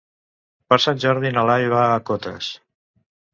Per Sant Jordi na Laia va a Cotes.